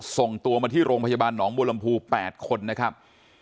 ส่งตัวมาที่โรงพยาบาลหนองบัวลำพู๘คนนะครับ